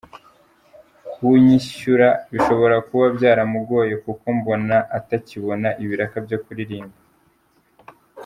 Kunyishyura bishobora kuba byaramugoye kuko mbona atakibona ibiraka byo kuririmba.